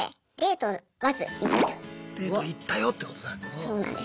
そうなんです。